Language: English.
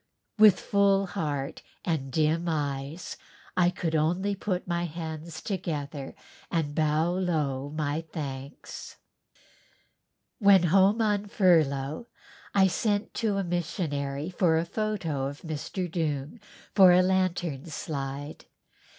With full heart and dim eyes I could only put my hands together and bow low my thanks. When home on furlough I sent to a missionary for a photo of Mr. Doong for a lantern slide.